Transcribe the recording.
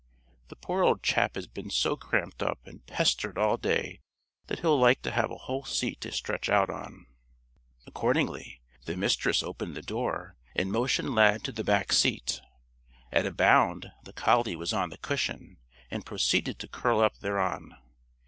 "The poor old chap has been so cramped up and pestered all day that he'll like to have a whole seat to stretch out on." Accordingly, the Mistress opened the door and motioned Lad to the back seat. At a bound the collie was on the cushion, and proceeded to curl up thereon.